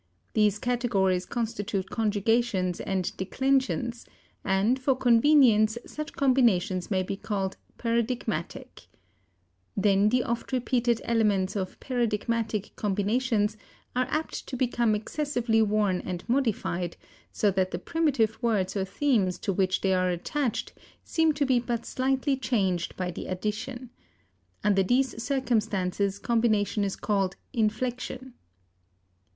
These categories constitute conjugations and declensions, and for convenience such combinations may be called paradigmatic. Then the oft repeated elements of paradigmatic combinations are apt to become excessively worn and modified, so that the primitive words or themes to which they are attached seem to be but slightly changed by the addition. Under these circumstances combination is called inflection.